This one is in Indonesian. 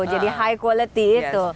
jadi kualitas yang tinggi itu